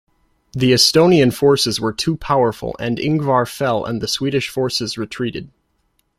The Estonian forces were too powerful and Ingvar fell and the Swedish forces retreated.